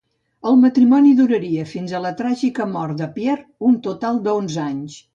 El matrimoni duraria, fins a la tràgica mort de Pierre, un total d'onze anys.